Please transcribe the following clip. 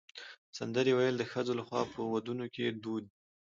سندرې ویل د ښځو لخوا په ودونو کې دود دی.